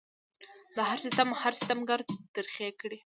د هر ستم هر ستمګر ترخې کړي